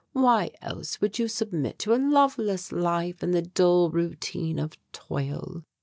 Why else would you submit to a loveless life and the dull routine of toil?